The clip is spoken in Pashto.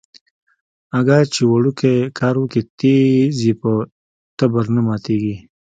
اگه چې وړوکی کار وکي ټيز يې په تبر نه ماتېږي.